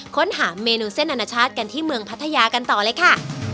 ค้นหาเมนูเส้นอนาชาติกันที่เมืองพัทยากันต่อเลยค่ะ